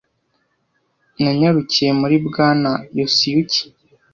Nanyarukiye muri Bwana Yosiyuki